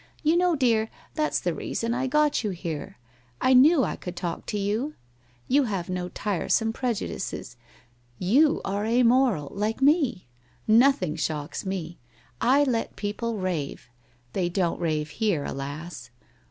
You know, dear, that's the reason T got you here; I knew I could talk to you. You have no tiresome prejudices, you are a moral, like me. Nothing shocks me. I let people rave. They don't rave here, alas!